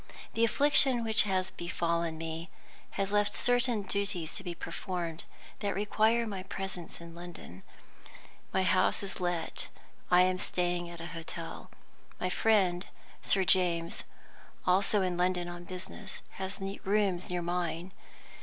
The affliction which has befallen me has left certain duties to be performed that require my presence in London. My house is let; I am staying at a hotel. My friend, Sir James (also in London on business), has rooms near mine.